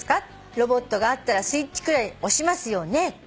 「ロボットがあったらスイッチくらい押しますよね？」